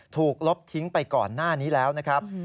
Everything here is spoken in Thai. ลบทิ้งไปก่อนหน้านี้แล้วนะครับ